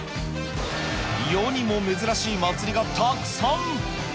世にも珍しい祭りがたくさん。